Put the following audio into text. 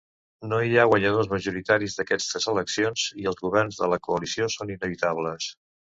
No hi ha guanyadors majoritaris d'aquestes eleccions i els governs de la coalició són inevitables.